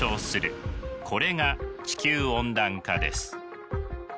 これが地球温暖化です。